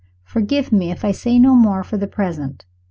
Forgive me, if I say no more for the present.